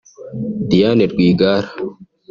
Diane Rwigara